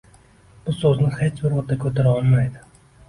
Bu so‘zni hech bir ota «ko‘tara olmaydi».